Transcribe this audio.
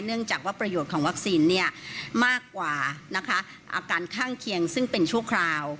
เนื่องจากว่าประโยชน์ของวัคซีนมากกว่านะคะอาการข้างเคียงซึ่งเป็นชั่วคราว